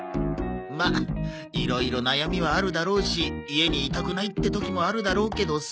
まあいろいろ悩みはあるだろうし家にいたくないって時もあるだろうけどさ。